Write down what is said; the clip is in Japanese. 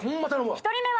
１人目は。